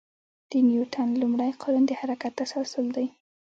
د نیوتن لومړی قانون د حرکت تسلسل دی.